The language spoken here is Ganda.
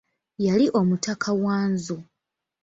Yali omutaka Wanzu.